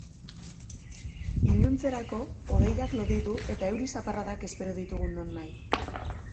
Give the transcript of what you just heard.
Iluntzerako, hodeiak loditu eta euri zaparradak espero ditugu nonahi.